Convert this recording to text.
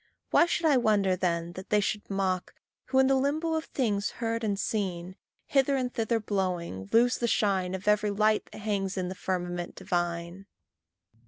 Why should I wonder then that they should mock, Who, in the limbo of things heard and seen, Hither and thither blowing, lose the shine Of every light that hangs in the firmament divine.